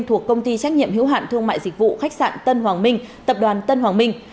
thuộc công ty trách nhiệm hữu hạn thương mại dịch vụ khách sạn tân hoàng minh tập đoàn tân hoàng minh